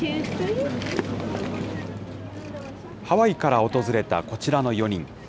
ハワイから訪れたこちらの４人。